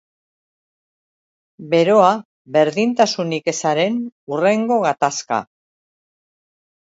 Beroa, berdintasunik ezaren hurrengo gatazka.